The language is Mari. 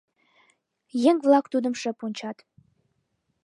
Еҥ-влак тудым шып ончат